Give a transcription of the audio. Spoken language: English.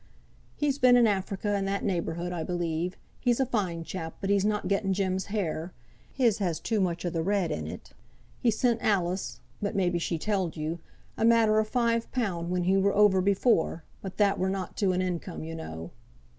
"He's been in Africa and that neighbourhood, I believe. He's a fine chap, but he's not gotten Jem's hair. His has too much o' the red in it. He sent Alice (but, maybe, she telled you) a matter o' five pound when he were over before; but that were nought to an income, yo know."